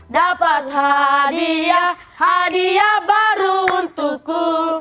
dapat hadiah hadiah baru untukku